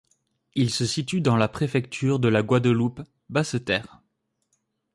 Il se situe dans la préfecture de la Guadeloupe, Basse-Terre.